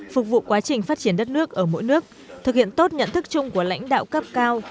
phục vụ quá trình phát triển đất nước ở mỗi nước thực hiện tốt nhận thức chung của lãnh đạo cấp cao